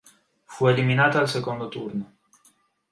Fu eliminato al secondo turno.